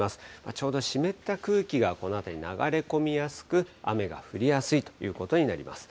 ちょうど湿った空気がこの辺りに流れ込みやすく、雨が降りやすいということになります。